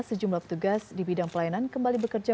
sejumlah petugas di bidang pelayanan kembali bekerja